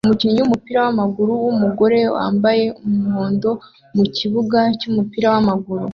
Umukinnyi wumupira wamaguru wumugore wambaye umuhondo mukibuga cyumupira wamaguru